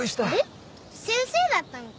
先生だったんか。